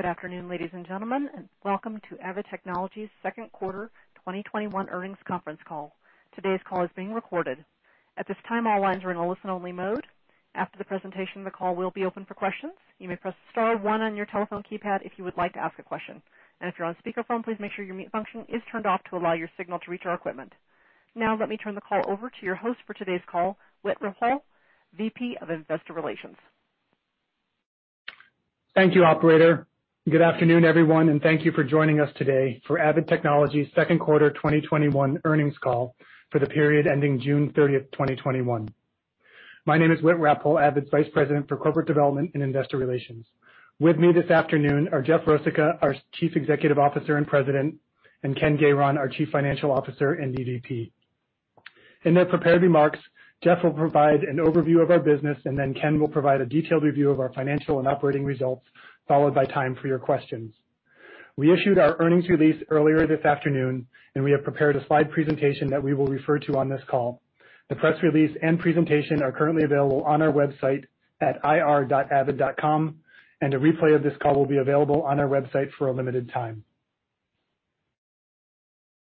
Good afternoon, ladies and gentlemen, welcome to Avid Technology's second quarter 2021 earnings conference call. Today's call is being recorded. At this time, all lines are in a listen-only mode. After the presentation, the call will be open for questions. You may press star one on your telephone keypad if you would like to ask a question. If you're on speakerphone, please make sure your mute function is turned off to allow your signal to reach our equipment. Now let me turn the call over to your host for today's call, Whit Rappole, VP of Investor Relations. Thank you, operator. Good afternoon, everyone, and thank you for joining us today for Avid Technology's second quarter 2021 earnings call for the period ending June 30, 2021. My name is Whit Rappole, Avid's Vice President for Corporate Development and Investor Relations. With me this afternoon are Jeff Rosica, our Chief Executive Officer and President, and Ken Gayron, our Chief Financial Officer and EVP. In their prepared remarks, Jeff will provide an overview of our business, and then Ken will provide a detailed review of our financial and operating results, followed by time for your questions. We issued our earnings release earlier this afternoon, and we have prepared a slide presentation that we will refer to on this call. The press release and presentation are currently available on our website at ir.avid.com, and a replay of this call will be available on our website for a limited time.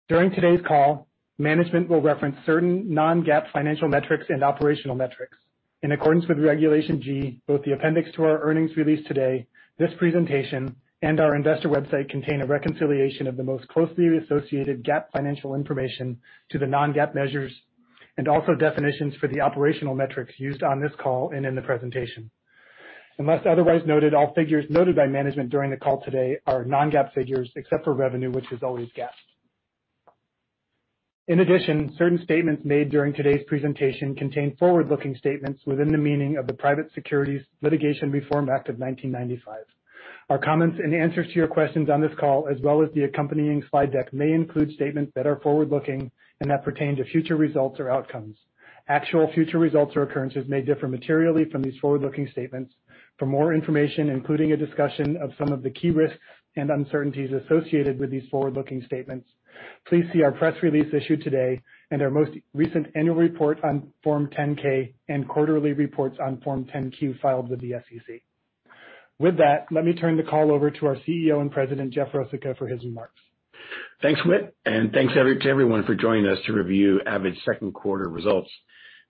During today's call, management will reference certain non-GAAP financial metrics and operational metrics. In accordance with Regulation G, both the appendix to our earnings release today, this presentation, and our investor website contain a reconciliation of the most closely associated GAAP financial information to the non-GAAP measures, and also definitions for the operational metrics used on this call and in the presentation. Unless otherwise noted, all figures noted by management during the call today are non-GAAP figures except for revenue, which is always GAAP. In addition, certain statements made during today's presentation contain forward-looking statements within the meaning of the Private Securities Litigation Reform Act of 1995. Our comments and answers to your questions on this call, as well as the accompanying slide deck, may include statements that are forward-looking and that pertain to future results or outcomes. Actual future results or occurrences may differ materially from these forward-looking statements. For more information, including a discussion of some of the key risks and uncertainties associated with these forward-looking statements, please see our press release issued today and our most recent annual report on Form 10-K and quarterly reports on Form 10-Q filed with the SEC. With that, let me turn the call over to our CEO and President, Jeff Rosica, for his remarks. Thanks, Whit, thanks to everyone for joining us to review Avid's second quarter results.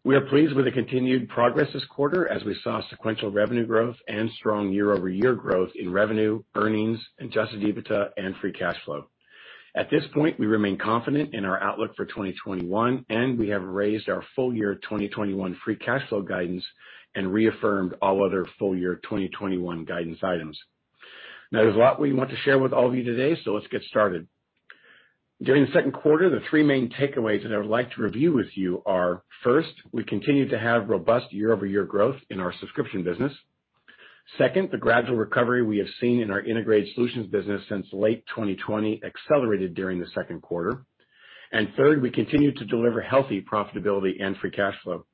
We are pleased with the continued progress this quarter as we saw sequential revenue growth and strong year-over-year growth in revenue, earnings, adjusted EBITDA, and free cash flow. At this point, we remain confident in our outlook for 2021. We have raised our full year 2021 free cash flow guidance and reaffirmed all other full year 2021 guidance items. Now, there's a lot we want to share with all of you today. Let's get started. During the second quarter, the three main takeaways that I would like to review with you are, first, we continue to have robust year-over-year growth in our subscription business. Second, the gradual recovery we have seen in our integrated solutions business since late 2020 accelerated during the second quarter. Third, we continue to deliver healthy profitability and free cash flow.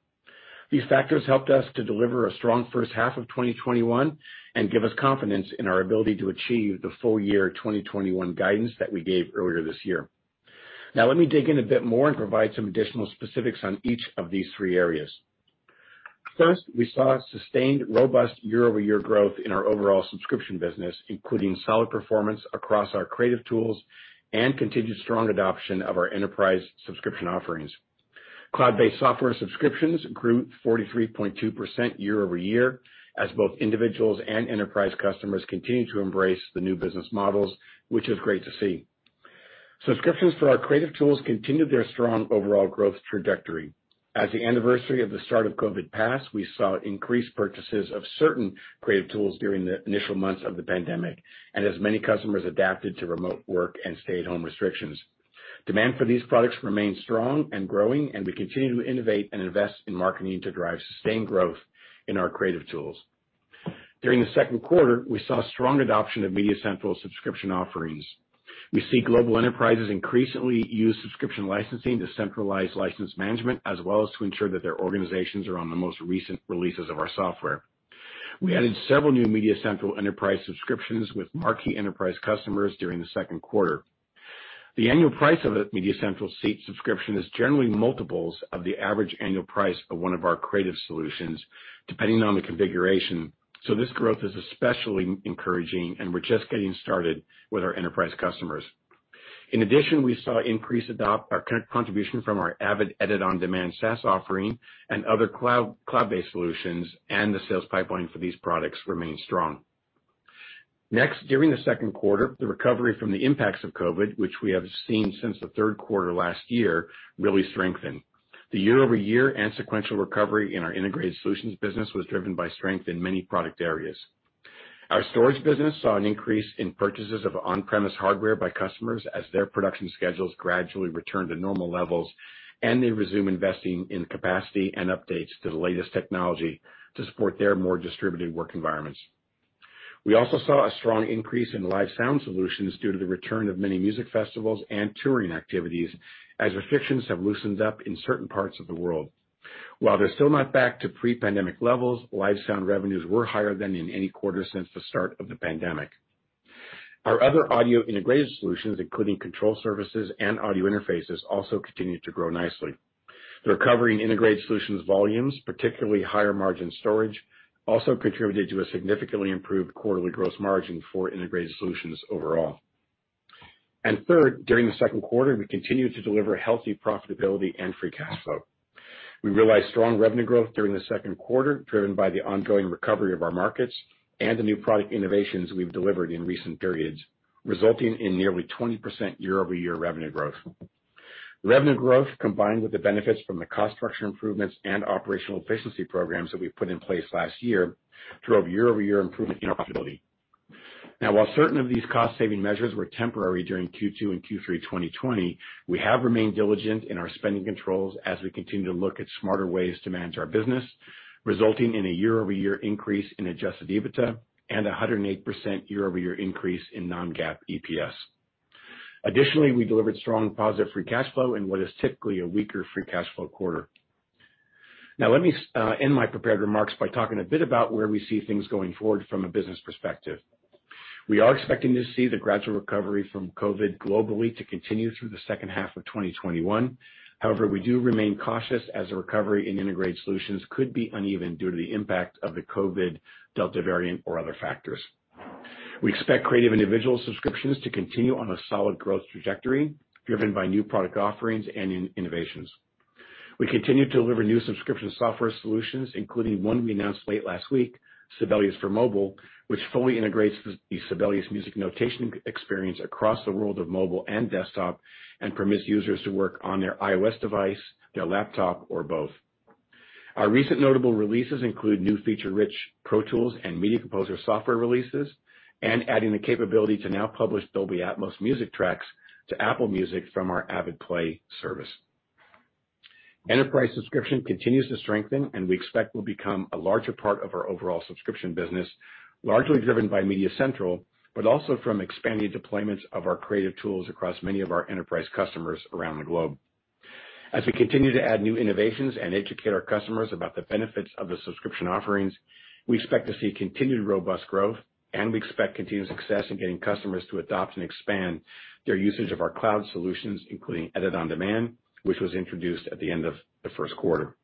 These factors helped us to deliver a strong first half of 2021 and give us confidence in our ability to achieve the full year 2021 guidance that we gave earlier this year. Let me dig in a bit more and provide some additional specifics on each of these 3 areas. First, we saw sustained, robust year-over-year growth in our overall subscription business, including solid performance across our creative tools and continued strong adoption of our enterprise subscription offerings. Cloud-based software subscriptions grew 43.2% year-over-year, as both individuals and enterprise customers continue to embrace the new business models, which is great to see. Subscriptions for our creative tools continued their strong overall growth trajectory. As the anniversary of the start of COVID passed, we saw increased purchases of certain creative tools during the initial months of the pandemic and as many customers adapted to remote work and stay-at-home restrictions. Demand for these products remains strong and growing, and we continue to innovate and invest in marketing to drive sustained growth in our creative tools. During the second quarter, we saw strong adoption of MediaCentral subscription offerings. We see global enterprises increasingly use subscription licensing to centralize license management as well as to ensure that their organizations are on the most recent releases of our software. We added several new MediaCentral enterprise subscriptions with marquee enterprise customers during the second quarter. The annual price of a MediaCentral seat subscription is generally multiples of the average annual price of one of our creative solutions, depending on the configuration. This growth is especially encouraging, and we're just getting started with our enterprise customers. In addition, we saw increased contribution from our Avid Edit On Demand SaaS offering and other cloud-based solutions, and the sales pipeline for these products remains strong. During the second quarter, the recovery from the impacts of COVID, which we have seen since the third quarter last year, really strengthened. The year-over-year and sequential recovery in our integrated solutions business was driven by strength in many product areas. Our storage business saw an increase in purchases of on-premise hardware by customers as their production schedules gradually return to normal levels and they resume investing in capacity and updates to the latest technology to support their more distributed work environments. We also saw a strong increase in live sound solutions due to the return of many music festivals and touring activities as restrictions have loosened up in certain parts of the world. While they're still not back to pre-pandemic levels, live sound revenues were higher than in any quarter since the start of the pandemic. Our other audio integrated solutions, including control surfaces and audio interfaces, also continued to grow nicely. The recovery in integrated solutions volumes, particularly higher margin storage, also contributed to a significantly improved quarterly gross margin for integrated solutions overall. Third, during the second quarter, we continued to deliver healthy profitability and free cash flow. We realized strong revenue growth during the second quarter, driven by the ongoing recovery of our markets and the new product innovations we've delivered in recent periods, resulting in nearly 20% year-over-year revenue growth. Revenue growth, combined with the benefits from the cost structure improvements and operational efficiency programs that we put in place last year, drove year-over-year improvement in our profitability. Now, while certain of these cost-saving measures were temporary during Q2 and Q3 2020, we have remained diligent in our spending controls as we continue to look at smarter ways to manage our business, resulting in a year-over-year increase in adjusted EBITDA and 108% year-over-year increase in non-GAAP EPS. Additionally, we delivered strong positive free cash flow in what is typically a weaker free cash flow quarter. Let me end my prepared remarks by talking a bit about where we see things going forward from a business perspective. We are expecting to see the gradual recovery from COVID globally to continue through the second half of 2021. We do remain cautious as a recovery in integrated solutions could be uneven due to the impact of the COVID Delta variant or other factors. We expect Creative Individual subscriptions to continue on a solid growth trajectory, driven by new product offerings and innovations. We continue to deliver new subscription software solutions, including one we announced late last week, Sibelius for Mobile, which fully integrates the Sibelius music notation experience across the world of mobile and desktop, and permits users to work on their iOS device, their laptop, or both. Our recent notable releases include new feature-rich Pro Tools and Media Composer software releases, and adding the capability to now publish Dolby Atmos music tracks to Apple Music from our AvidPlay service. Enterprise subscription continues to strengthen, and we expect will become a larger part of our overall subscription business, largely driven by MediaCentral, but also from expanded deployments of our creative tools across many of our enterprise customers around the globe. As we continue to add new innovations and educate our customers about the benefits of the subscription offerings, we expect to see continued robust growth, and we expect continued success in getting customers to adopt and expand their usage of our cloud solutions, including Edit On Demand, which was introduced at the end of the first quarter.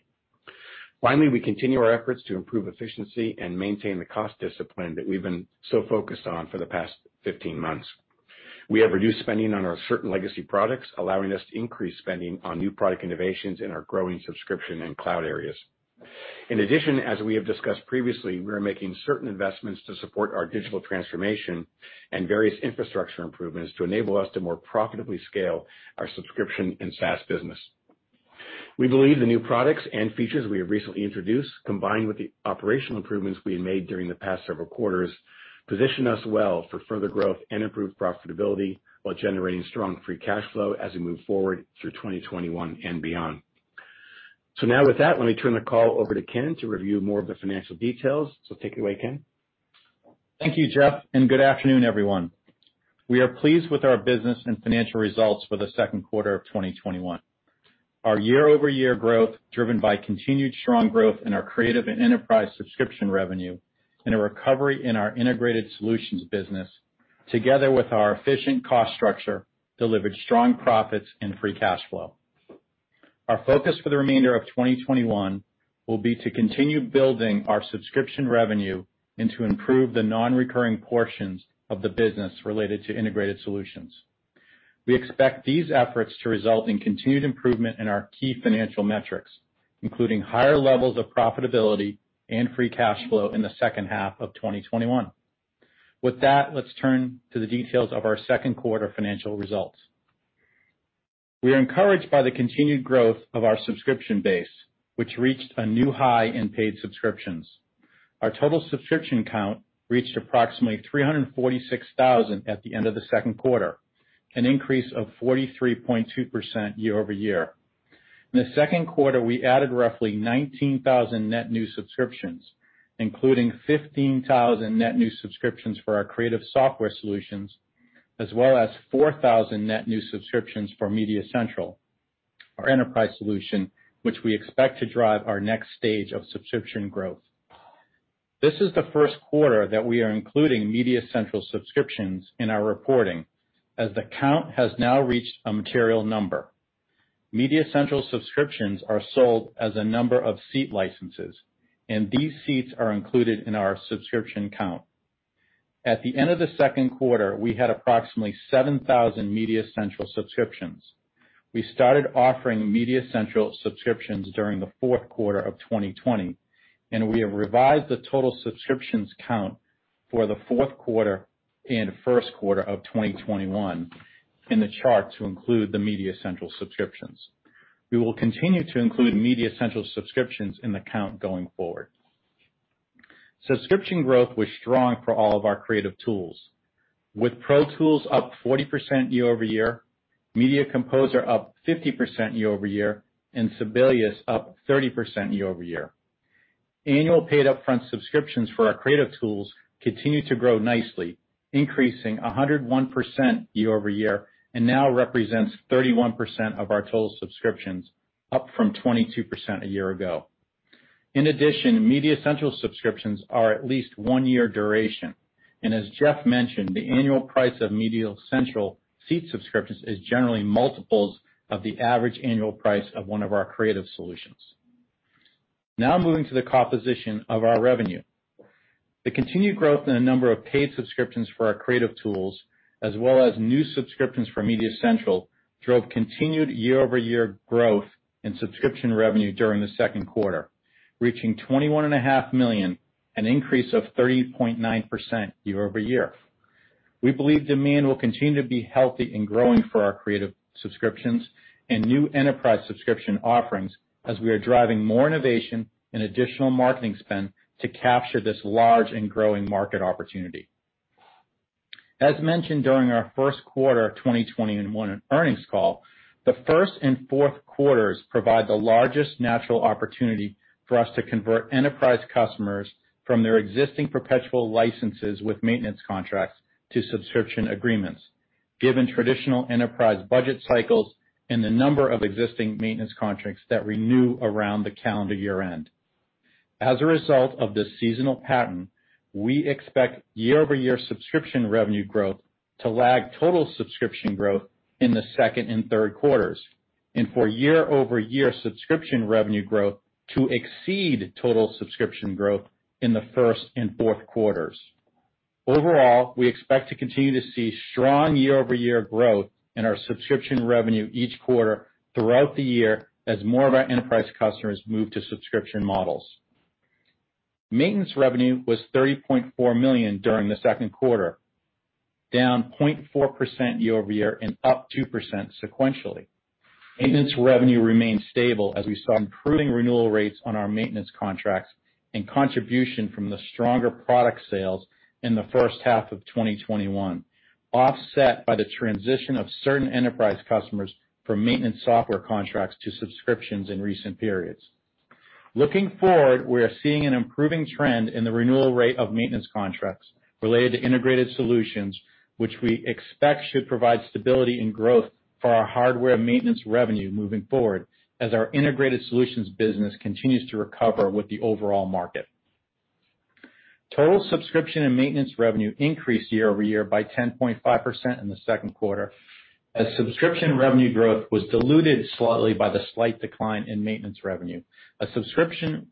We continue our efforts to improve efficiency and maintain the cost discipline that we've been so focused on for the past 15 months. We have reduced spending on our certain legacy products, allowing us to increase spending on new product innovations in our growing subscription and cloud areas. As we have discussed previously, we are making certain investments to support our digital transformation and various infrastructure improvements to enable us to more profitably scale our subscription and SaaS business. We believe the new products and features we have recently introduced, combined with the operational improvements we have made during the past several quarters, position us well for further growth and improved profitability while generating strong free cash flow as we move forward through 2021 and beyond. With that, let me turn the call over to Ken to review more of the financial details. Take it away, Ken. Thank you, Jeff, and good afternoon, everyone. We are pleased with our business and financial results for the second quarter of 2021. Our year-over-year growth, driven by continued strong growth in our creative and enterprise subscription revenue and a recovery in our integrated solutions business, together with our efficient cost structure, delivered strong profits and free cash flow. Our focus for the remainder of 2021 will be to continue building our subscription revenue and to improve the non-recurring portions of the business related to integrated solutions. We expect these efforts to result in continued improvement in our key financial metrics, including higher levels of profitability and free cash flow in the second half of 2021. With that, let's turn to the details of our second quarter financial results. We are encouraged by the continued growth of our subscription base, which reached a new high in paid subscriptions. Our total subscription count reached approximately 346,000 at the end of the second quarter, an increase of 43.2% year-over-year. In the second quarter, we added roughly 19,000 net new subscriptions, including 15,000 net new subscriptions for our creative software solutions as well as 4,000 net new subscriptions for MediaCentral, our enterprise solution, which we expect to drive our next stage of subscription growth. This is the first quarter that we are including MediaCentral subscriptions in our reporting, as the count has now reached a material number. MediaCentral subscriptions are sold as a number of seat licenses, and these seats are included in our subscription count. At the end of the second quarter, we had approximately 7,000 MediaCentral subscriptions. We started offering MediaCentral subscriptions during the fourth quarter of 2020, and we have revised the total subscriptions count for the fourth quarter and first quarter of 2021 in the chart to include the MediaCentral subscriptions. We will continue to include MediaCentral subscriptions in the count going forward. Subscription growth was strong for all of our creative tools, with Pro Tools up 40% year-over-year, Media Composer up 50% year-over-year, and Sibelius up 30% year-over-year. Annual paid upfront subscriptions for our creative tools continue to grow nicely, increasing 101% year-over-year, and now represents 31% of our total subscriptions, up from 22% a year ago. In addition, MediaCentral subscriptions are at least one-year duration. As Jeff mentioned, the annual price of MediaCentral seat subscriptions is generally multiples of the average annual price of one of our creative solutions. Now moving to the composition of our revenue. The continued growth in the number of paid subscriptions for our creative tools, as well as new subscriptions for MediaCentral, drove continued year-over-year growth in subscription revenue during the second quarter, reaching $21.5 million, an increase of 30.9% year-over-year. We believe demand will continue to be healthy and growing for our creative subscriptions and new enterprise subscription offerings as we are driving more innovation and additional marketing spend to capture this large and growing market opportunity. As mentioned during our first quarter of 2021 earnings call, the first and fourth quarters provide the largest natural opportunity for us to convert enterprise customers from their existing perpetual licenses with maintenance contracts to subscription agreements, given traditional enterprise budget cycles and the number of existing maintenance contracts that renew around the calendar year-end. As a result of this seasonal pattern, we expect year-over-year subscription revenue growth to lag total subscription growth in the second and third quarters, and for year-over-year subscription revenue growth to exceed total subscription growth in the first and fourth quarters. Overall, we expect to continue to see strong year-over-year growth in our subscription revenue each quarter throughout the year as more of our enterprise customers move to subscription models. Maintenance revenue was $30.4 million during the second quarter, down 0.4% year-over-year and up 2% sequentially. Maintenance revenue remained stable as we saw improving renewal rates on our maintenance contracts and contribution from the stronger product sales in the first half of 2021, offset by the transition of certain enterprise customers from maintenance software contracts to subscriptions in recent periods. Looking forward, we are seeing an improving trend in the renewal rate of maintenance contracts related to integrated solutions, which we expect should provide stability and growth for our hardware maintenance revenue moving forward as our integrated solutions business continues to recover with the overall market. Total subscription and maintenance revenue increased year-over-year by 10.5% in the second quarter as subscription revenue growth was diluted slightly by the slight decline in maintenance revenue. Subscription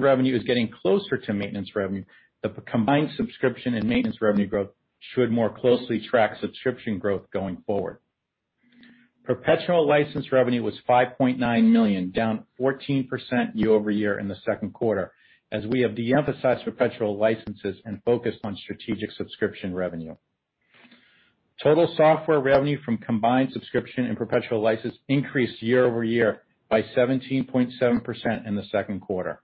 revenue is getting closer to maintenance revenue, the combined subscription and maintenance revenue growth should more closely track subscription growth going forward. Perpetual license revenue was $5.9 million, down 14% year-over-year in the second quarter, as we have de-emphasized perpetual licenses and focused on strategic subscription revenue. Total software revenue from combined subscription and perpetual license increased year-over-year by 17.7% in the second quarter.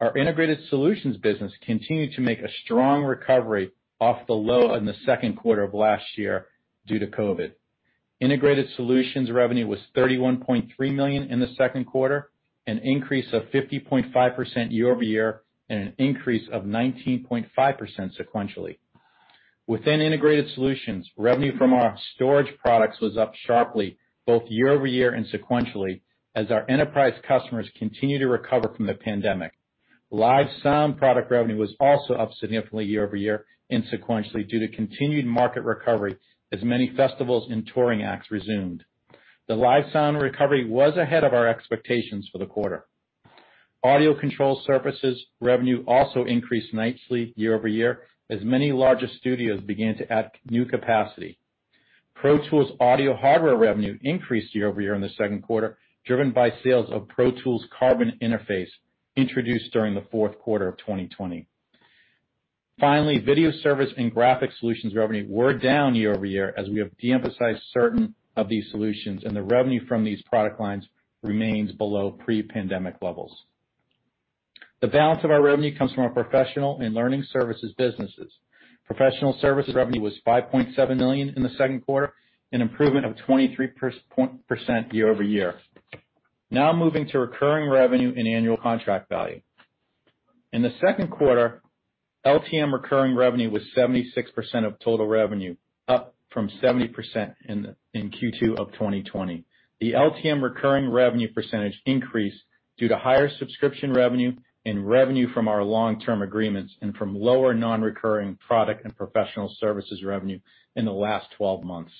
Our integrated solutions business continued to make a strong recovery off the low in the second quarter of last year due to COVID. Integrated solutions revenue was $31.3 million in the second quarter, an increase of 50.5% year-over-year, and an increase of 19.5% sequentially. Within integrated solutions, revenue from our storage products was up sharply both year-over-year and sequentially as our enterprise customers continue to recover from the pandemic. Live sound product revenue was also up significantly year-over-year and sequentially due to continued market recovery as many festivals and touring acts resumed. The live sound recovery was ahead of our expectations for the quarter. Audio control surfaces revenue also increased nicely year-over-year, as many larger studios began to add new capacity. Pro Tools audio hardware revenue increased year-over-year in the second quarter, driven by sales of Pro Tools | Carbon interface introduced during the fourth quarter of 2020. Finally, video service and graphic solutions revenue were down year-over-year as we have de-emphasized certain of these solutions, and the revenue from these product lines remains below pre-pandemic levels. The balance of our revenue comes from our professional and learning services businesses. Professional services revenue was $5.7 million in the second quarter, an improvement of 23% year-over-year. Now moving to recurring revenue and Annual Contract Value. In the second quarter, LTM recurring revenue was 76% of total revenue, up from 70% in Q2 of 2020. The LTM recurring revenue percentage increased due to higher subscription revenue and revenue from our long-term agreements and from lower non-recurring product and professional services revenue in the last 12 months.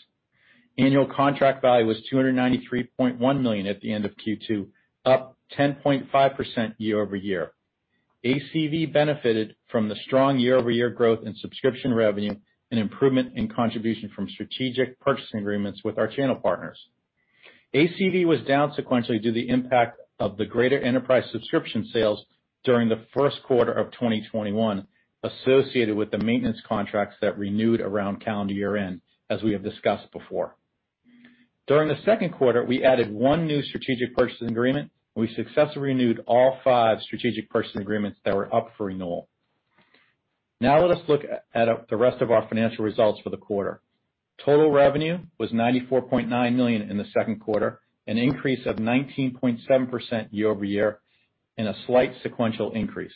Annual Contract Value was $293.1 million at the end of Q2, up 10.5% year-over-year. ACV benefited from the strong year-over-year growth in subscription revenue and improvement in contribution from strategic purchasing agreements with our channel partners. ACV was down sequentially due to the impact of the greater enterprise subscription sales during the first quarter of 2021, associated with the maintenance contracts that renewed around calendar year-end, as we have discussed before. During the second quarter, we added one new strategic purchasing agreement. We successfully renewed all five strategic purchasing agreements that were up for renewal. Let us look at the rest of our financial results for the quarter. Total revenue was $94.9 million in the second quarter, an increase of 19.7% year-over-year and a slight sequential increase.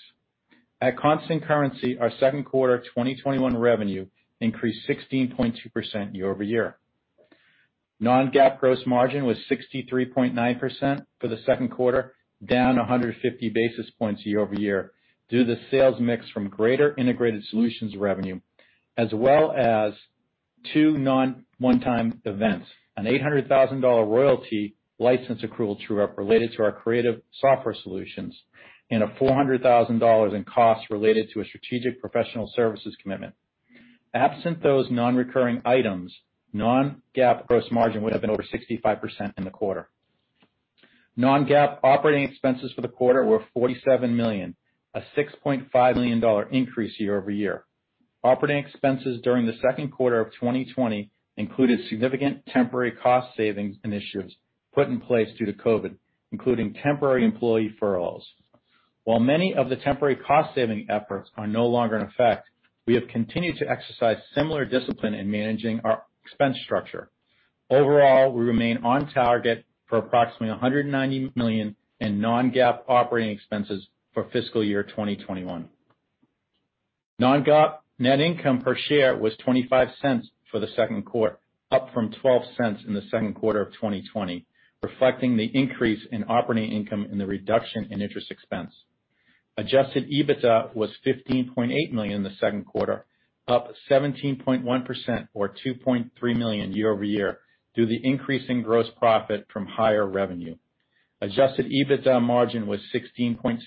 At constant currency, our second quarter 2021 revenue increased 16.2% year-over-year. Non-GAAP gross margin was 63.9% for the second quarter, down 150 basis points year-over-year, due to sales mix from greater integrated solutions revenue as well as two known one-time events, an $800,000 royalty license accrual related to our creative software solutions and a $400,000 in costs related to a strategic professional services commitment. Absent those non-recurring items, non-GAAP gross margin would've been over 65% in the quarter. Non-GAAP operating expenses for the quarter were $47 million, a $6.5 million increase year-over-year. Operating expenses during the second quarter of 2020 included significant temporary cost savings initiatives put in place due to COVID, including temporary employee furloughs. While many of the temporary cost-saving efforts are no longer in effect, we have continued to exercise similar discipline in managing our expense structure. Overall, we remain on target for approximately $190 million in non-GAAP operating expenses for fiscal year 2021. Non-GAAP net income per share was $0.25 for the second quarter, up from $0.12 in the second quarter of 2020, reflecting the increase in operating income and the reduction in interest expense. Adjusted EBITDA was $15.8 million in the second quarter, up 17.1%, or $2.3 million year-over-year, due to the increase in gross profit from higher revenue. Adjusted EBITDA margin was 16.7%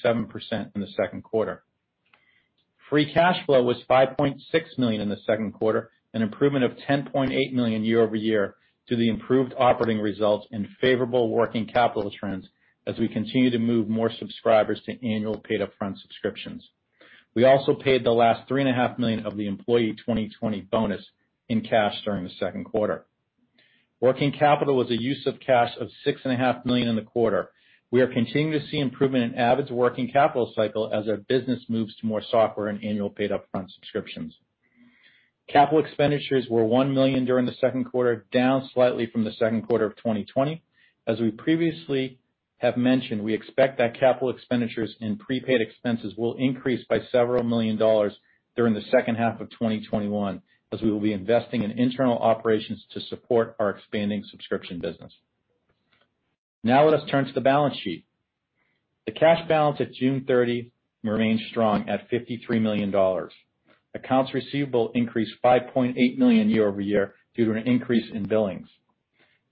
in the second quarter. Free cash flow was $5.6 million in the second quarter, an improvement of $10.8 million year-over-year due to the improved operating results and favorable working capital trends as we continue to move more subscribers to annual paid upfront subscriptions. We also paid the last $3.5 million of the employee 2020 bonus in cash during the second quarter. Working capital was a use of cash of $6.5 million in the quarter. We are continuing to see improvement in Avid's working capital cycle as our business moves to more software and annual paid upfront subscriptions. Capital expenditures were $1 million during the second quarter, down slightly from the second quarter of 2020. As we previously have mentioned, we expect that capital expenditures and prepaid expenses will increase by several million dollars during the second half of 2021 as we will be investing in internal operations to support our expanding subscription business. Now let us turn to the balance sheet. The cash balance at June 30 remained strong at $53 million. Accounts receivable increased $5.8 million year-over-year due to an increase in billings.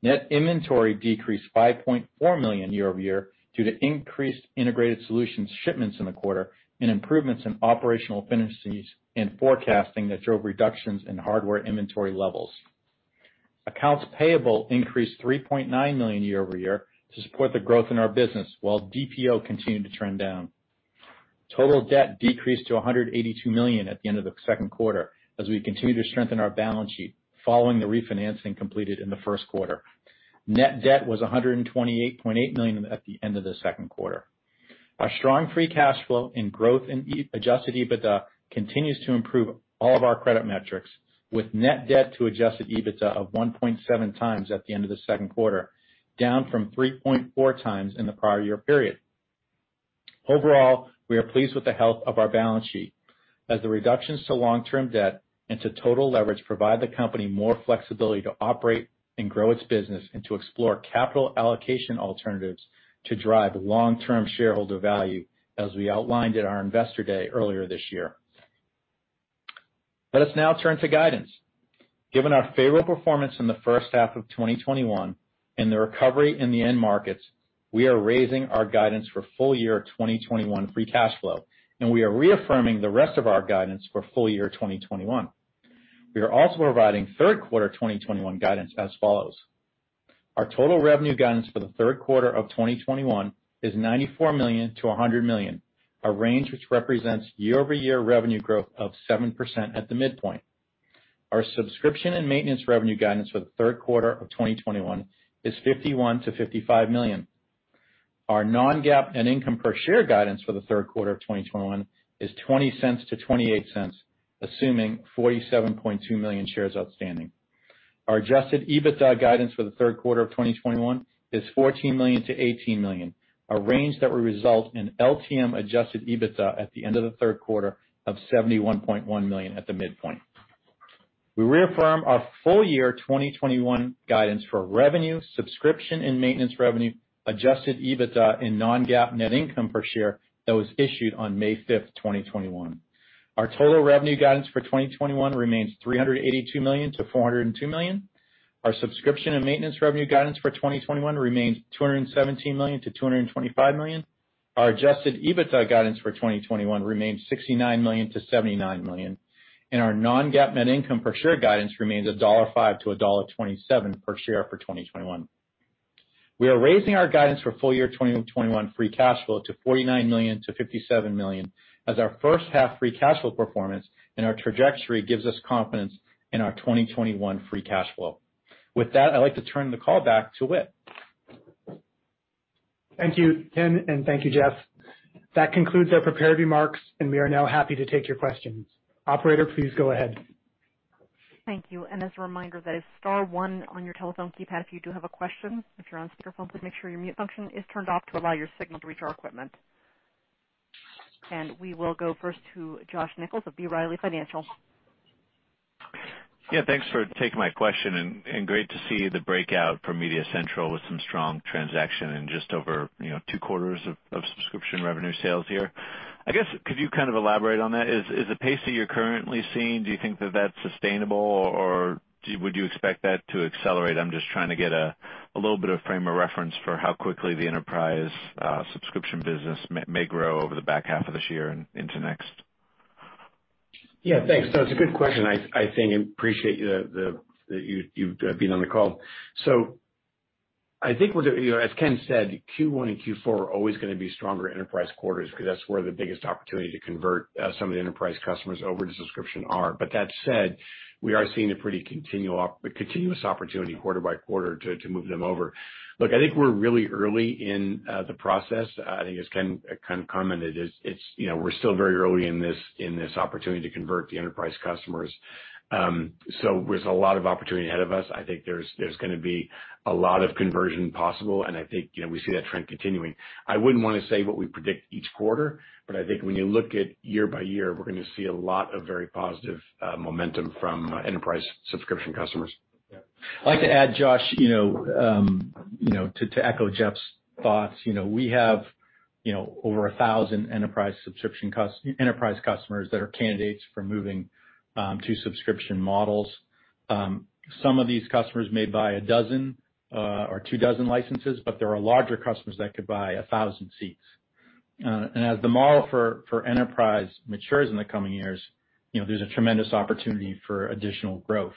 Net inventory decreased $5.4 million year-over-year due to increased integrated solutions shipments in the quarter and improvements in operational efficiencies and forecasting that drove reductions in hardware inventory levels. Accounts payable increased $3.9 million year-over-year to support the growth in our business while DPO continued to trend down. Total debt decreased to $182 million at the end of the second quarter as we continue to strengthen our balance sheet following the refinancing completed in the first quarter. Net debt was $128.8 million at the end of the second quarter. Our strong free cash flow and growth in adjusted EBITDA continues to improve all of our credit metrics, with net debt to adjusted EBITDA of 1.7 times at the end of the second quarter, down from 3.4x in the prior year period. Overall, we are pleased with the health of our balance sheet as the reductions to long-term debt and to total leverage provide the company more flexibility to operate and grow its business and to explore capital allocation alternatives to drive long-term shareholder value as we outlined at our investor day earlier this year. Let us now turn to guidance. Given our favorable performance in the first half of 2021 and the recovery in the end markets, we are raising our guidance for full year 2021 free cash flow, and we are reaffirming the rest of our guidance for full year 2021. We are also providing third quarter 2021 guidance as follows. Our total revenue guidance for the third quarter of 2021 is $94 to 100 million, a range which represents year-over-year revenue growth of 7% at the midpoint. Our subscription and maintenance revenue guidance for the 3rd quarter of 2021 is $51 to 55 million. Our non-GAAP net income per share guidance for the 3rd quarter of 2021 is $0.20 to $0.28, assuming 47.2 million shares outstanding. Our adjusted EBITDA guidance for the 3rd quarter of 2021 is $14 to 18 million, a range that will result in LTM adjusted EBITDA at the end of the 3rd quarter of $71.1 million at the midpoint. We reaffirm our full year 2021 guidance for revenue, subscription and maintenance revenue, adjusted EBITDA, and non-GAAP net income per share that was issued on May 5th, 2021. Our total revenue guidance for 2021 remains $382 to 402 million. Our subscription and maintenance revenue guidance for 2021 remains $217 to 225 million. Our adjusted EBITDA guidance for 2021 remains $69 to 79 million. Our non-GAAP net income per share guidance remains $1.05 to $1.27 per share for 2021. We are raising our guidance for full year 2021 free cash flow to $49 to 57 million as our first half free cash flow performance and our trajectory gives us confidence in our 2021 free cash flow. With that, I'd like to turn the call back to Whit. Thank you, Ken, and thank you, Jeff. That concludes our prepared remarks, and we are now happy to take your questions. Operator, please go ahead. Thank you. As a reminder, that is star one on your telephone keypad if you do have a question. If you're on speakerphone, please make sure your mute function is turned off to allow your signal to reach our equipment. We will go first to Josh Nichols of B. Riley Financial. Yeah, thanks for taking my question, and great to see the breakout from MediaCentral with some strong transaction in just over two quarters of subscription revenue sales here. I guess, could you kind of elaborate on that? Is the pace that you're currently seeing, do you think that that's sustainable, or would you expect that to accelerate? I'm just trying to get a little bit of frame of reference for how quickly the enterprise subscription business may grow over the back half of this year and into next. Yeah, thanks, Josh. Good question. I appreciate that you've been on the call. I think as Ken said, Q1 and Q4 are always going to be stronger enterprise quarters, because that's where the biggest opportunity to convert some of the enterprise customers over to subscription are. That said, we are seeing a pretty continuous opportunity quarter by quarter to move them over. Look, I think we're really early in the process. I think as Ken kind of commented, we're still very early in this opportunity to convert the enterprise customers. There's a lot of opportunity ahead of us. I think there's going to be a lot of conversion possible, and I think we see that trend continuing. I wouldn't want to say what we predict each quarter, but I think when you look at year by year, we're going to see a lot of very positive momentum from enterprise subscription customers. I'd like to add, Josh, to echo Jeff's thoughts. We have over 1,000 enterprise customers that are candidates for moving to subscription models. Some of these customers may buy a dozen or two dozen licenses, but there are larger customers that could buy 1,000 seats. As the model for enterprise matures in the coming years, there's a tremendous opportunity for additional growth.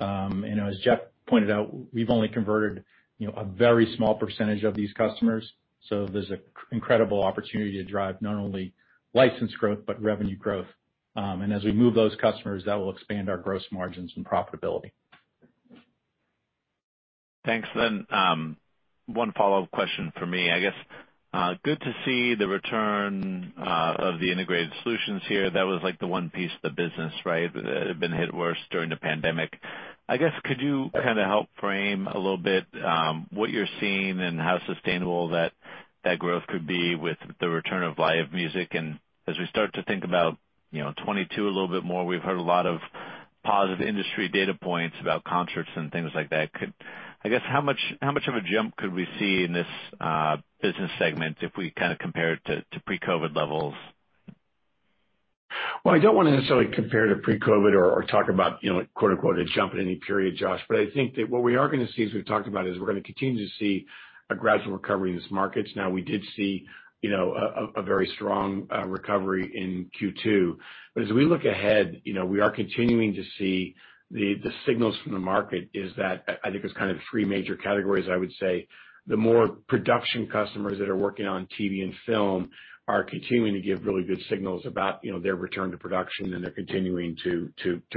As Jeff pointed out, we've only converted a very small percentage of these customers, so there's an incredible opportunity to drive not only license growth, but revenue growth. As we move those customers, that will expand our gross margins and profitability. Thanks. One follow-up question from me. I guess, good to see the return of the integrated solutions here. That was the one piece of the business, right, that had been hit worse during the pandemic. I guess, could you kind of help frame a little bit what you're seeing and how sustainable that growth could be with the return of live music? As we start to think about 2022 a little bit more, we've heard a lot of positive industry data points about concerts and things like that. I guess, how much of a jump could we see in this business segment if we compare it to pre-COVID levels? Well, I don't want to necessarily compare to pre-COVID or talk about "a jump" in any period, Josh. I think that what we are going to see, as we've talked about, is we're going to continue to see a gradual recovery in these markets. Now, we did see a very strong recovery in Q2. As we look ahead, we are continuing to see the signals from the market is that I think there's kind of 3 major categories, I would say. The more production customers that are working on TV and film are continuing to give really good signals about their return to production, and they're continuing to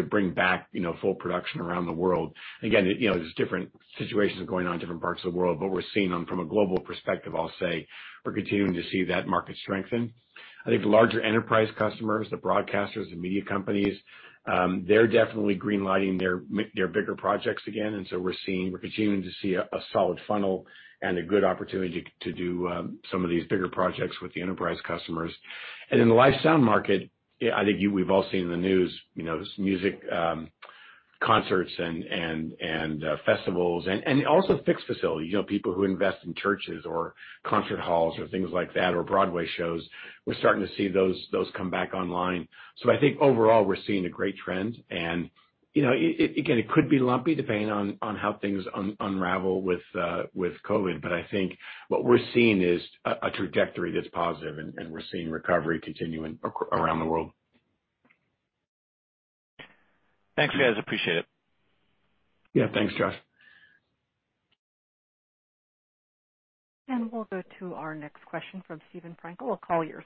bring back full production around the world. Again, there's different situations going on in different parts of the world, but we're seeing them from a global perspective, I'll say, we're continuing to see that market strengthen. I think the larger enterprise customers, the broadcasters, the media companies, they're definitely green-lighting their bigger projects again. We're continuing to see a solid funnel and a good opportunity to do some of these bigger projects with the enterprise customers. In the live sound market, I think we've all seen the news. There's music concerts and festivals and also fixed facilities, people who invest in churches or concert halls or things like that, or Broadway shows. We're starting to see those come back online. I think overall, we're seeing a great trend. Again, it could be lumpy depending on how things unravel with COVID, but I think what we're seeing is a trajectory that's positive, and we're seeing recovery continuing around the world. Thanks, guys. Appreciate it. Yeah. Thanks, Josh. We'll go to our next question from Steven Frankel of Colliers.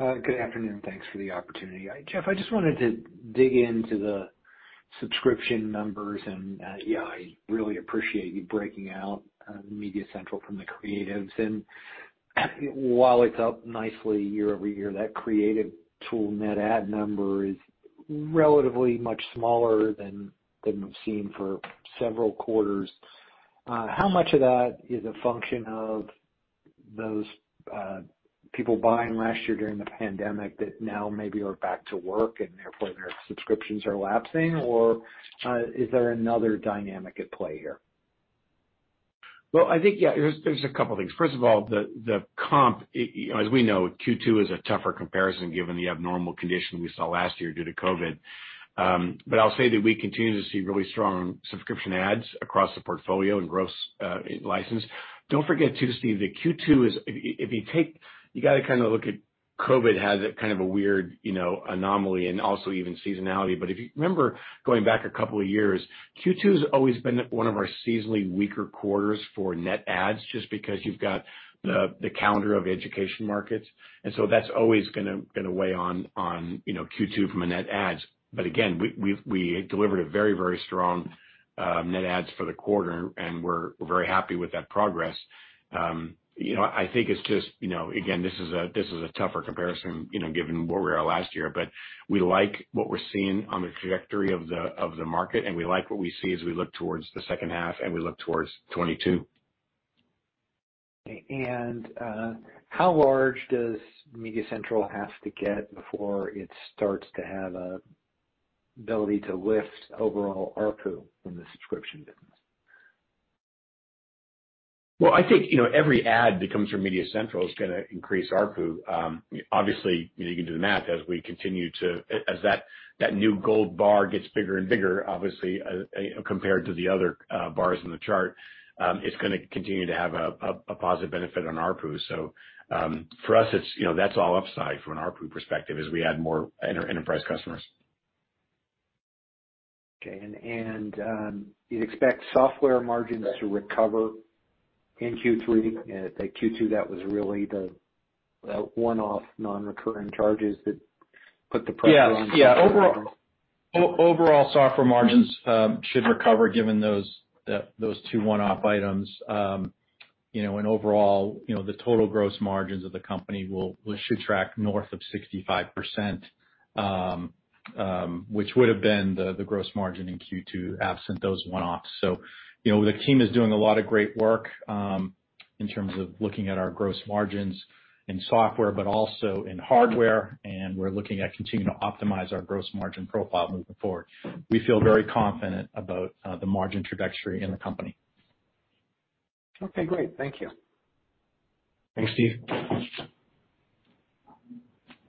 Good afternoon. Thanks for the opportunity. Jeff, I just wanted to dig into the subscription numbers. Yeah, I really appreciate you breaking out MediaCentral from the creatives. While it's up nicely year-over-year, that creative tool net add number is relatively much smaller than we've seen for several quarters. How much of that is a function of those people buying last year during the pandemic that now maybe are back to work and therefore their subscriptions are lapsing? Or is there another dynamic at play here? I think there's a couple things. First of all, the comp, as we know, Q2 is a tougher comparison given the abnormal condition we saw last year due to COVID. I'll say that we continue to see really strong subscription adds across the portfolio in gross license. Don't forget too, Steve, that Q2 is, you got to kind of look at COVID as a kind of a weird anomaly and also even seasonality. If you remember going back a couple of years, Q2's always been one of our seasonally weaker quarters for net adds, just because you've got the calendar of education markets. That's always going to weigh on Q2 from a net adds. Again, we delivered a very strong net adds for the quarter, and we're very happy with that progress. I think it's just, again, this is a tougher comparison given where we were last year. We like what we're seeing on the trajectory of the market, and we like what we see as we look towards the second half and we look towards 2022. How large does MediaCentral have to get before it starts to have an ability to lift overall ARPU from the subscription business? Well, I think every ad that comes from MediaCentral is going to increase ARPU. Obviously, you can do the math. As that new gold bar gets bigger and bigger, obviously, compared to the other bars in the chart, it's going to continue to have a positive benefit on ARPU. For us, that's all upside from an ARPU perspective as we add more enterprise customers. Okay. You'd expect software margins to recover in Q3? At Q2, that was really the one-off non-recurring charges that put the pressure on. Yeah. Overall software margins should recover given those two one-off items. Overall, the total gross margins of the company should track north of 65%, which would've been the gross margin in Q2 absent those one-offs. The team is doing a lot of great work in terms of looking at our gross margins in software, but also in hardware, and we're looking at continuing to optimize our gross margin profile moving forward. We feel very confident about the margin trajectory in the company. Okay, great. Thank you. Thanks, Steve.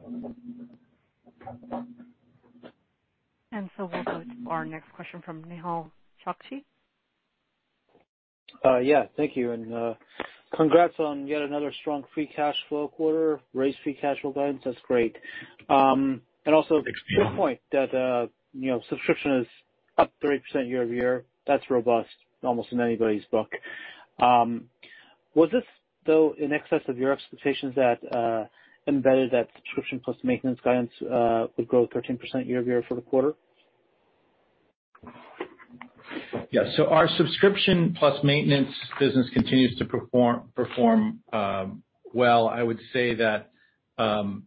We'll go to our next question from Mehul Chokshi. Yeah. Thank you, and congrats on yet another strong free cash flow quarter. Raised free cash flow guidance. That's great. Thanks Good point that subscription is up 30% year-over-year. That's robust almost in anybody's book. Was this, though, in excess of your expectations that embedded that subscription plus maintenance guidance would grow 13% year-over-year for the quarter? Yeah. Our subscription plus maintenance business continues to perform well. I would say that when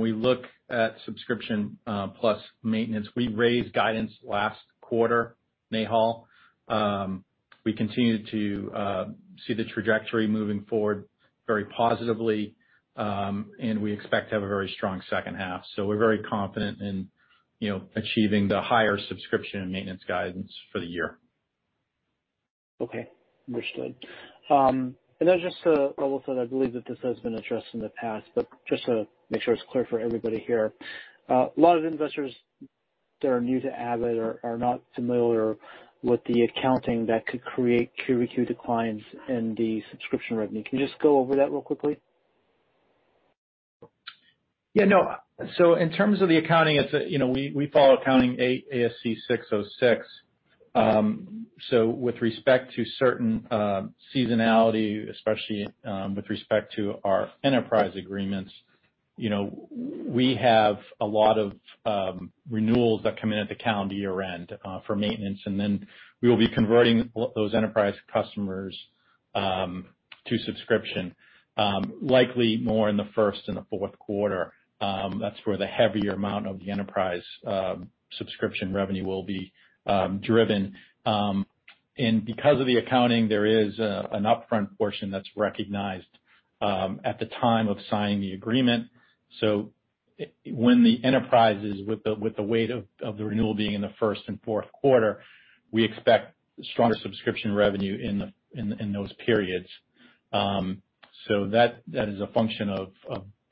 we look at subscription plus maintenance, we raised guidance last quarter, Mehul. We continue to see the trajectory moving forward very positively, and we expect to have a very strong second half. We're very confident in achieving the higher subscription and maintenance guidance for the year. Okay. Understood. Although I believe that this has been addressed in the past, but just to make sure it's clear for everybody here. A lot of investors that are new to Avid or are not familiar with the accounting that could create Q over Q declines in the subscription revenue. Can you just go over that real quickly? In terms of the accounting, we follow ASC 606. With respect to certain seasonality, especially with respect to our enterprise agreements, we have a lot of renewals that come in at the calendar year-end for maintenance, and then we will be converting those enterprise customers to subscription, likely more in the first and the fourth quarter. That's where the heavier amount of the enterprise subscription revenue will be driven. Because of the accounting, there is an upfront portion that's recognized at the time of signing the agreement. When the enterprises with the weight of the renewal being in the first and fourth quarter, we expect stronger subscription revenue in those periods. That is a function of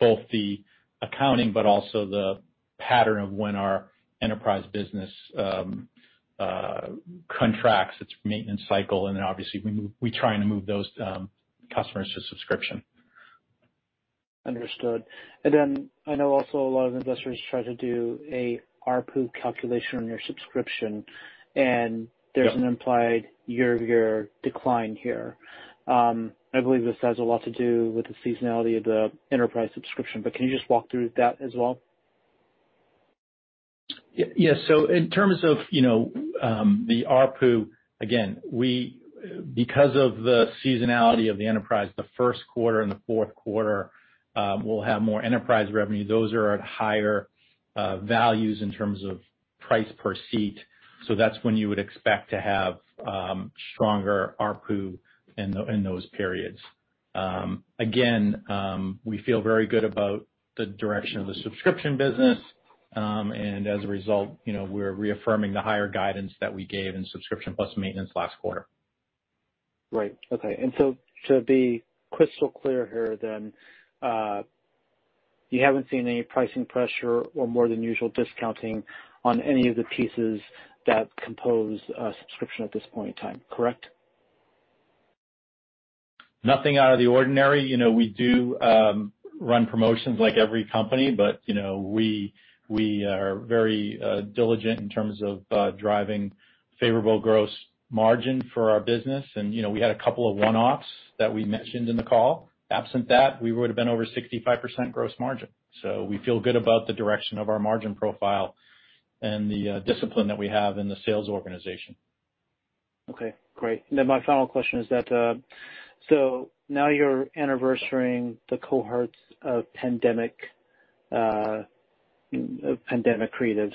both the accounting, but also the pattern of when our enterprise business contracts its maintenance cycle, and then obviously we try and move those customers to subscription. Understood. I know also a lot of investors try to do a ARPU calculation on your subscription, and there's an implied year-over-year decline here. I believe this has a lot to do with the seasonality of the enterprise subscription, can you just walk through that as well? Yeah. In terms of the ARPU, again, because of the seasonality of the enterprise, the first quarter and the fourth quarter will have more enterprise revenue. Those are at higher values in terms of price per seat. That's when you would expect to have stronger ARPU in those periods. Again, we feel very good about the direction of the subscription business. As a result, we're reaffirming the higher guidance that we gave in subscription plus maintenance last quarter. Right. Okay. To be crystal clear here, then, you haven't seen any pricing pressure or more than usual discounting on any of the pieces that compose a subscription at this point in time, correct? Nothing out of the ordinary. We do run promotions like every company, but we are very diligent in terms of driving favorable gross margin for our business. We had two one-offs that we mentioned in the call. Absent that, we would've been over 65% gross margin. We feel good about the direction of our margin profile and the discipline that we have in the sales organization. Okay, great. My final question is that, so now you're anniversarying the cohorts of pandemic. Pandemic creatives.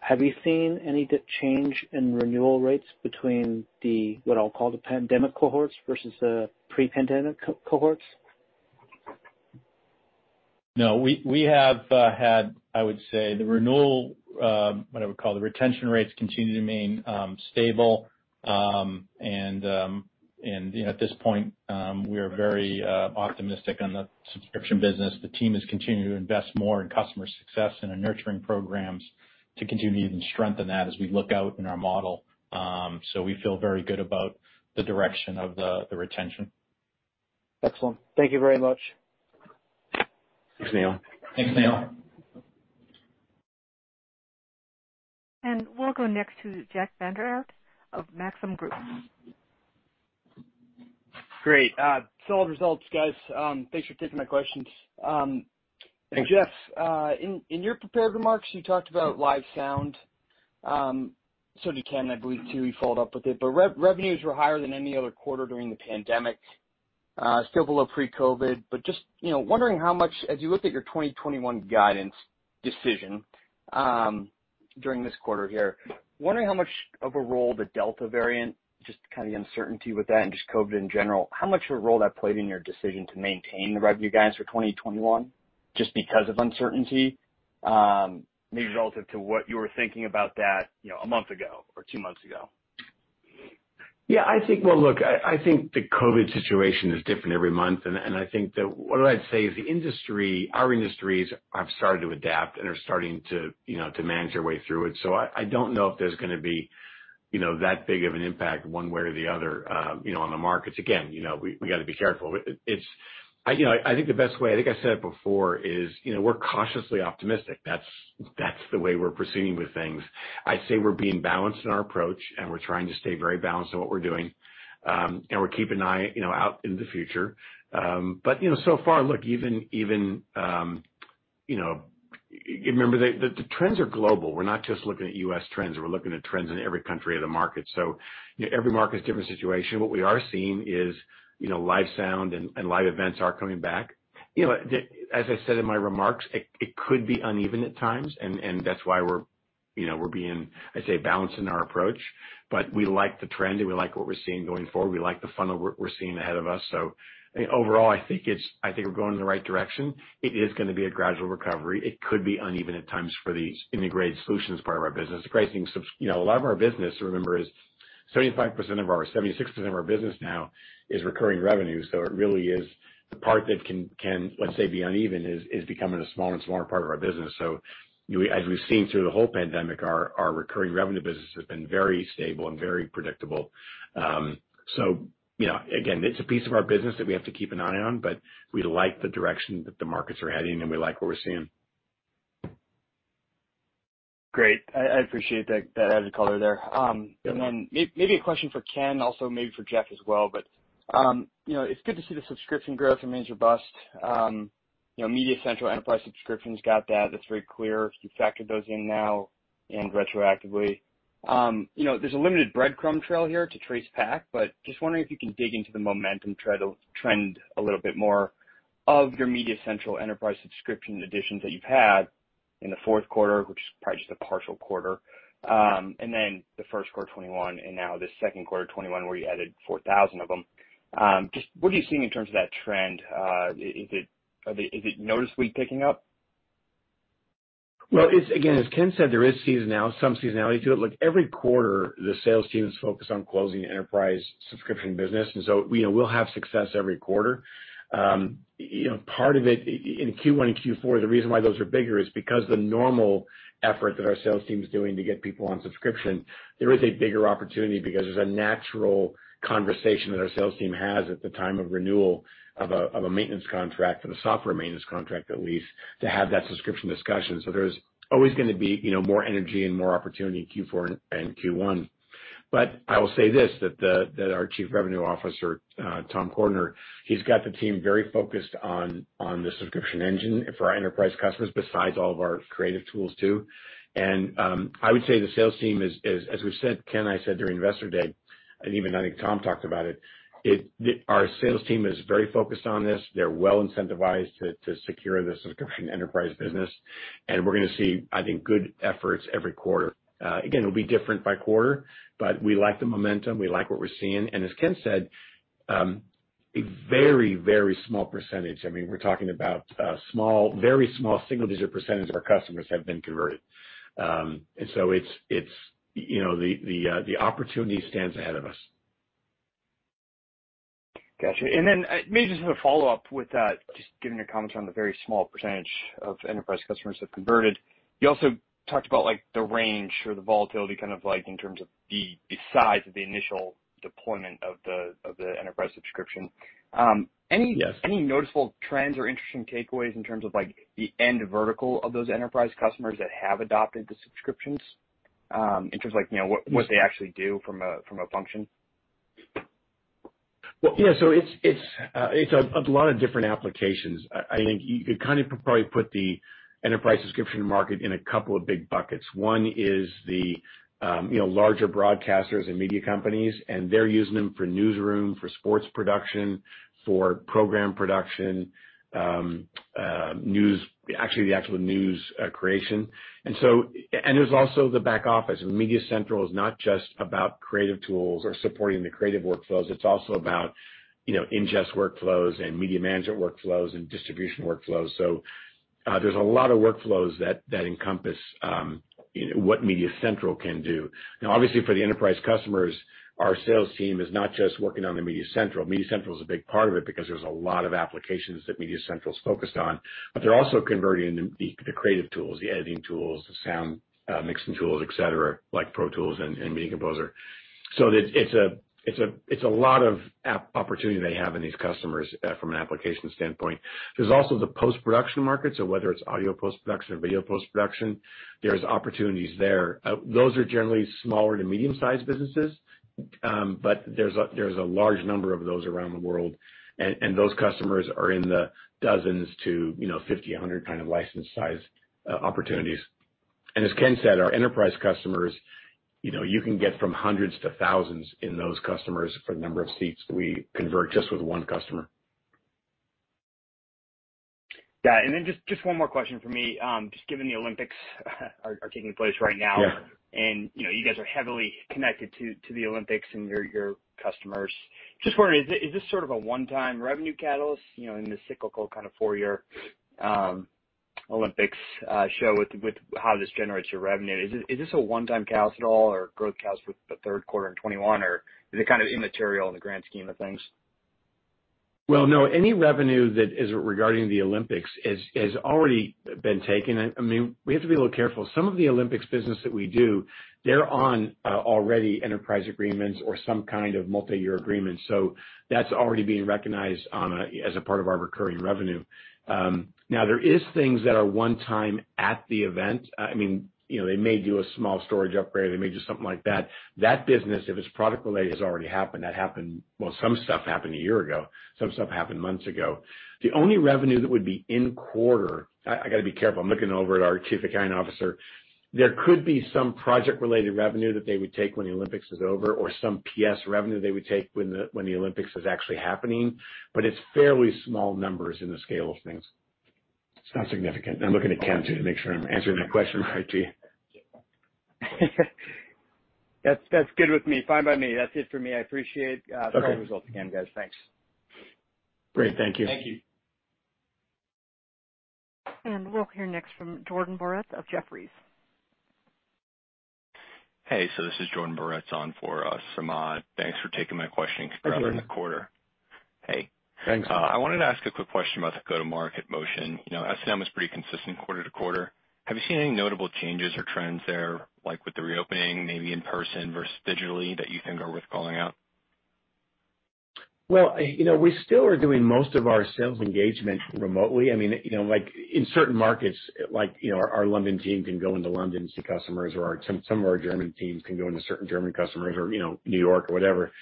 Have you seen any change in renewal rates between the, what I'll call the pandemic cohorts versus the pre-pandemic cohorts? No. We have had, I would say, the renewal, what I would call the retention rates, continue to remain stable. At this point, we are very optimistic on the subscription business. The team has continued to invest more in customer success and in nurturing programs to continue to even strengthen that as we look out in our model. We feel very good about the direction of the retention. Excellent. Thank you very much. Thanks, Mehul. Thanks, Mehul. We'll go next to Jack Vander Aarde of Maxim Group. Great. Solid results, guys. Thanks for taking my questions. Thanks. Jeff, in your prepared remarks, you talked about live sound. Did Ken, I believe, too. He followed up with it. Revenues were higher than any other quarter during the pandemic. Still below pre-COVID, but just wondering how much, as you looked at your 2021 guidance decision during this quarter here, wondering how much of a role the Delta variant, just the uncertainty with that and just COVID in general, how much of a role that played in your decision to maintain the revenue guidance for 2021, just because of uncertainty, maybe relative to what you were thinking about that 1 month ago or 2 months ago? I think the COVID situation is different every month, and I think that what I'd say is our industries have started to adapt and are starting to manage their way through it. I don't know if there's going to be that big of an impact one way or the other on the markets. Again, we got to be careful. I think the best way, I think I said it before, is we're cautiously optimistic. That's the way we're proceeding with things. I'd say we're being balanced in our approach, and we're trying to stay very balanced in what we're doing. We keep an eye out into the future. So far, look, remember, the trends are global. We're not just looking at U.S. trends. We're looking at trends in every country of the market. Every market is a different situation. What we are seeing is live sound and live events are coming back. As I said in my remarks, it could be uneven at times, and that's why we're being, I'd say, balanced in our approach. We like the trend, and we like what we're seeing going forward. We like the funnel we're seeing ahead of us. Overall, I think we're going in the right direction. It is going to be a gradual recovery. It could be uneven at times for the integrated solutions part of our business. A lot of our business, remember, 76% of our business now is recurring revenue. It really is the part that can, let's say, be uneven, is becoming a smaller and smaller part of our business. As we've seen through the whole pandemic, our recurring revenue business has been very stable and very predictable. Again, it's a piece of our business that we have to keep an eye on, but we like the direction that the markets are heading, and we like what we're seeing. Great. I appreciate that added color there. Yeah. Then maybe a question for Ken, also maybe for Jeff as well, but it's good to see the subscription growth remains robust. MediaCentral enterprise subscriptions got that. That's very clear. You've factored those in now and retroactively. There's a limited breadcrumb trail here to trace back, but just wondering if you can dig into the momentum trend a little bit more of your MediaCentral enterprise subscription additions that you've had in the fourth quarter, which is probably just a partial quarter, and then the first quarter 2021 and now the second quarter 2021, where you added 4,000 of them. Just what are you seeing in terms of that trend? Is it noticeably picking up? Again, as Ken said, there is some seasonality to it. Every quarter the sales team is focused on closing the enterprise subscription business, and so we'll have success every quarter. Part of it in Q1 and Q4, the reason why those are bigger is because the normal effort that our sales team's doing to get people on subscription, there is a bigger opportunity because there's a natural conversation that our sales team has at the time of renewal of a maintenance contract, or the software maintenance contract, at least, to have that subscription discussion. There's always going to be more energy and more opportunity in Q4 and Q1. I will say this, that our Chief Revenue Officer, Tom Cordiner, he's got the team very focused on the subscription engine for our enterprise customers, besides all of our creative tools, too. I would say the sales team is, as we've said, Ken Gayron and I said during Investor Day, and even I think Tom Cordiner talked about it, our sales team is very focused on this. They're well incentivized to secure this as a growing enterprise business, we're going to see, I think, good efforts every quarter. Again, it'll be different by quarter, we like the momentum. We like what we're seeing. As Ken Gayron said, a very small percentage, we're talking about a very small single-digit percentage of our customers have been converted. The opportunity stands ahead of us. Got you. Maybe just as a follow-up with that, just given your comments on the very small % of enterprise customers have converted. You also talked about the range or the volatility in terms of the size of the initial deployment of the enterprise subscription. Yes. Any noticeable trends or interesting takeaways in terms of the end vertical of those enterprise customers that have adopted the subscriptions, in terms of what they actually do from a function? It's a lot of different applications. I think you could probably put the enterprise subscription market in a couple of big buckets. One is the larger broadcasters and media companies, they're using them for newsroom, for sports production, for program production, the actual news creation. There's also the back office. MediaCentral is not just about creative tools or supporting the creative workflows. It's also about ingest workflows and media management workflows and distribution workflows. There's a lot of workflows that encompass what MediaCentral can do. Obviously, for the enterprise customers, our sales team is not just working on the MediaCentral. MediaCentral is a big part of it because there's a lot of applications that MediaCentral's focused on. They're also converting the creative tools, the editing tools, the sound mixing tools, et cetera, like Pro Tools and Media Composer. It's a lot of opportunity they have in these customers from an application standpoint. There's also the post-production market, so whether it's audio post-production or video post-production, there's opportunities there. Those are generally smaller to medium-sized businesses. There's a large number of those around the world, and those customers are in the dozens to 50, 100 kind of license size opportunities. As Ken said, our enterprise customers, you can get from hundreds to thousands in those customers for the number of seats we convert just with one customer. Yeah. Just one more question from me. Just given the Olympics are taking place right now. Yeah. You guys are heavily connected to the Olympics and your customers. Just wondering, is this sort of a one-time revenue catalyst, in the cyclical kind of four-year Olympics show with how this generates your revenue? Is this a one-time catalyst at all, or growth catalyst for the third quarter in 2021? Or is it kind of immaterial in the grand scheme of things? Well, no. Any revenue that is regarding the Olympics has already been taken. We have to be a little careful. Some of the Olympics business that we do, they're on already enterprise agreements or some kind of multi-year agreement. That's already being recognized as a part of our recurring revenue. Now, there is things that are one time at the event. They may do a small storage upgrade. They may do something like that. That business, if it's product related, has already happened. That happened, well, some stuff happened a year ago. Some stuff happened months ago. The only revenue that would be in-quarter, I got to be careful. I'm looking over at our Chief Accounting Officer. There could be some project-related revenue that they would take when the Olympics is over, or some PS revenue they would take when the Olympics is actually happening. It's fairly small numbers in the scale of things. It's not significant. I'm looking at Ken, too, to make sure I'm answering the question right, too. That's good with me. Fine by me. That's it for me. Okay. The results again, guys. Thanks. Great. Thank you. Thank you. We'll hear next from Samad Samana of Jefferies. Hey, this is Samad Samana, on for Samad. Thanks for taking my question. Thank you. covering the quarter. Hey. Thanks. I wanted to ask a quick question about the go-to-market motion. S&M is pretty consistent quarter-to-quarter. Have you seen any notable changes or trends there, like with the reopening maybe in person versus digitally, that you think are worth calling out? We still are doing most of our sales engagement remotely. In certain markets, our London team can go into London to see customers, or some of our German teams can go into certain German customers or New York or whatever.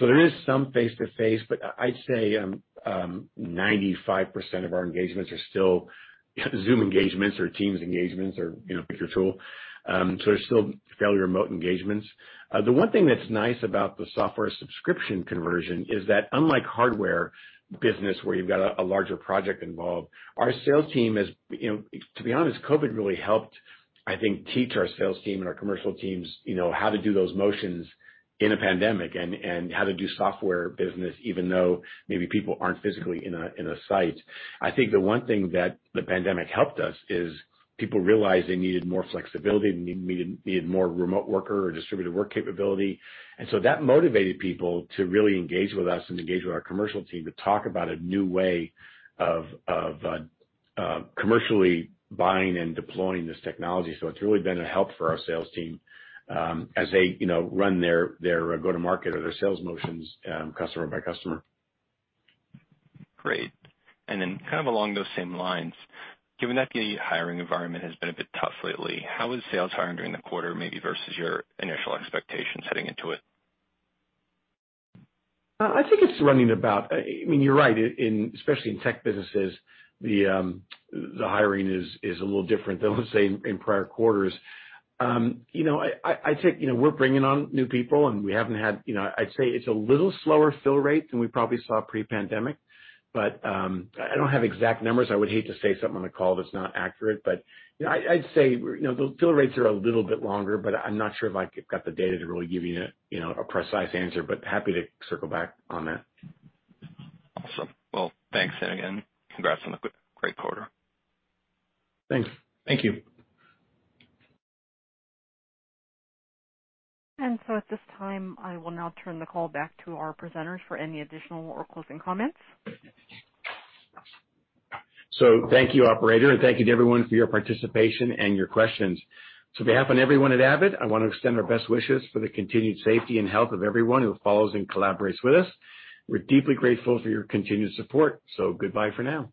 There is some face-to-face, but I'd say 95% of our engagements are still Zoom engagements or Teams engagements or pick your tool. There's still fairly remote engagements. The one thing that's nice about the software subscription conversion is that unlike hardware business where you've got a larger project involved, our sales team is, to be honest, COVID really helped, I think, teach our sales team and our commercial teams how to do those motions in a pandemic and how to do software business even though maybe people aren't physically in a site. I think the one thing that the pandemic helped us is people realized they needed more flexibility. They needed more remote worker or distributed work capability. That motivated people to really engage with us and engage with our commercial team to talk about a new way of commercially buying and deploying this technology. It's really been a help for our sales team as they run their go-to-market or their sales motions customer by customer. Great. Kind of along those same lines, given that the hiring environment has been a bit tough lately, how was sales hiring during the quarter maybe versus your initial expectations heading into it? You're right. Especially in tech businesses, the hiring is a little different than, let's say, in prior quarters. We're bringing on new people. I'd say it's a little slower fill rate than we probably saw pre-pandemic, but I don't have exact numbers. I would hate to say something on the call that's not accurate. I'd say fill rates are a little bit longer, but I'm not sure if I've got the data to really give you a precise answer. Happy to circle back on that. Awesome. Well, thanks again. Congrats on the great quarter. Thanks. Thank you. At this time, I will now turn the call back to our presenters for any additional or closing comments. Thank you, operator, and thank you to everyone for your participation and your questions. On behalf of everyone at Avid, I want to extend our best wishes for the continued safety and health of everyone who follows and collaborates with us. We're deeply grateful for your continued support. Goodbye for now.